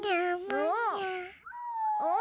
お！